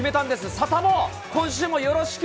サタボー、今週もよろしく！